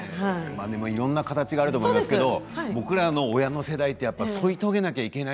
いろんな形があると思いますが、僕らの親の世代は添い遂げなきゃいけない。